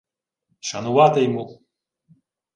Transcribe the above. — Шанувати-йму.